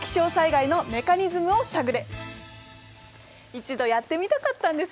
一度やってみたかったんです。